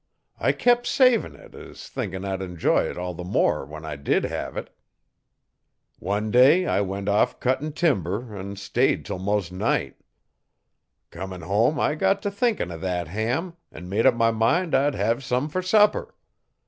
I kep' savin' uv it thinkin' I'd enjoy it all the more when I did hev it. One day I went off cuttin' timber an' stayed 'til mos' night. Comin' home I got t' thinkin' o' thet ham, an' made up my mind I'd hev some fer supper.